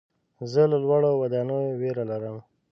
زه له لوړو ودانیو ویره لرم.